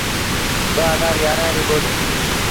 ٻآ هزآر يآرآن ريٚ ٻوڏ۔